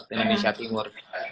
indonesia timur gitu ya